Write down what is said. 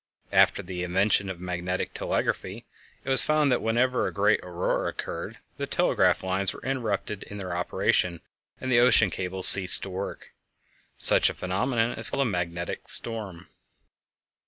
After the invention of magnetic telegraphy it was found that whenever a great Aurora occurred the telegraph lines were interrupted in their operation, and the ocean cables ceased to work. Such a phenomenon is called a "magnetic storm."